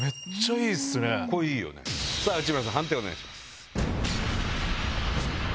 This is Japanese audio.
内村さん判定をお願いします。